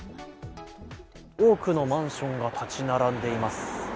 多くのマンションが建ち並んでいます。